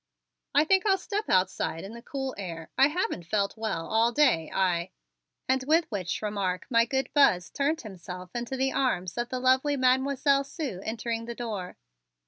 "I think I'll step outside in the cool air. I haven't felt well all day. I " and with which remark my good Buzz turned himself into the arms of the lovely Mademoiselle Sue entering the door.